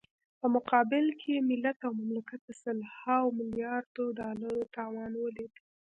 په مقابل کې يې ملت او مملکت د سلهاوو ملیاردو ډالرو تاوان وليد.